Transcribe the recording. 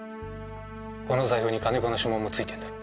この財布に金子の指紋も付いてんだろ？